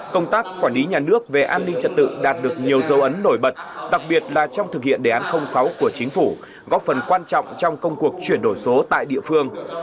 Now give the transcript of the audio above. công tác quản lý nhà nước về an ninh trật tự đạt được nhiều dấu ấn nổi bật đặc biệt là trong thực hiện đề án sáu của chính phủ góp phần quan trọng trong công cuộc chuyển đổi số tại địa phương